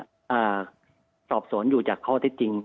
อ่าสอบสวนอยู่จากข้อเท็จจริง